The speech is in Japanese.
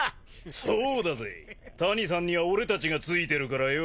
そうだぜ谷さんには俺たちがついてるからよぉ。